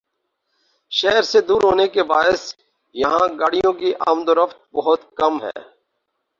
شہر سے دور ہونے کے باعث یہاں گاڑیوں کی آمدورفت بہت کم ہے